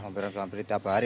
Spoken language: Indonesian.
mampir mampir setiap hari